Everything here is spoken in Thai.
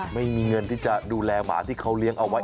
ไม่มีเงินที่จะดูแลหมาที่เขาเลี้ยงเอาไว้